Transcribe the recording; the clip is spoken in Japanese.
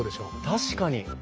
確かに！